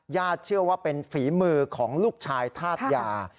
เชื่อว่าเป็นฝีมือของลูกชายธาตุยา